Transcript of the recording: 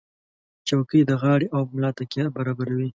چوکۍ د غاړې او ملا تکیه برابروي.